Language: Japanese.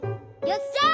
よっしゃ！